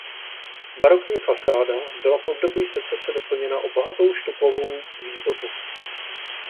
Barokní fasáda byla v období secese doplněna o bohatou štukovou výzdobu.